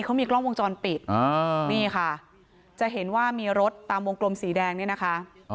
เขามีกล้องวงจรปิดนี่ค่ะจะเห็นว่ามีรถตามวงกลมสีแดงเนี่ยนะคะ